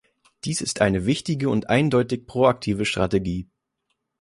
Dies ist eine wichtige und eindeutig proaktive Strategie.